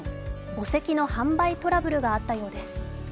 墓石の販売トラブルがあったようです。